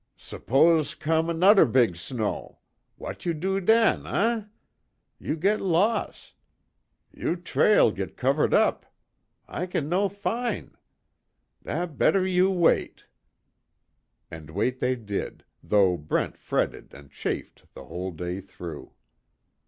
"S'pose com' nudder beeg snow? W'at you do den, eh? You git los'. You trail git cover up. I kin no fin'. Dat better you wait." And wait they did, though Brent fretted and chafed the whole day through.